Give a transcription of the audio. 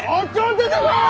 出てこい！